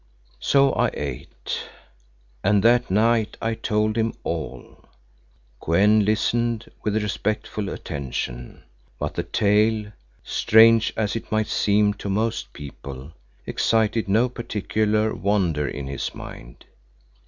So I ate, and that night I told him all. Kou en listened with respectful attention, but the tale, strange as it might seem to most people, excited no particular wonder in his mind.